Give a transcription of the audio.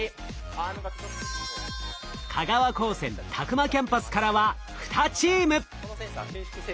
香川高専詫間キャンパスからは２チーム。